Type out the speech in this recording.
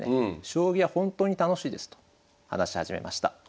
「将棋は本当に楽しいです」と話し始めました。